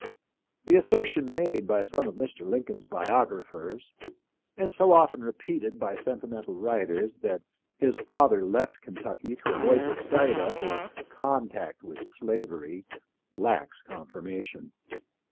The assertion made by some of Mr. Lincoln's biographers, and so often repeated by sentimental writers, that his father left Kentucky to avoid the sight of or contact with slavery, lacks confirmation.